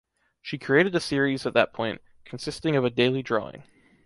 She created a series at that point, consisting of a daily drawing.